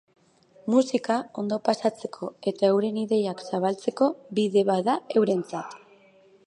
Musika, ondo pasatzeko eta euren ideiak zabaltzeko bide bat da eurentzat.